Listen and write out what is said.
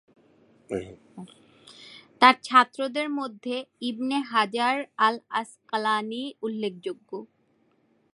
তার ছাত্রদের মধ্যে ইবনে হাজার আল-আসক্বালানি উল্লেখযোগ্য।